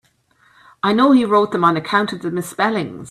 I know he wrote them on account of the misspellings.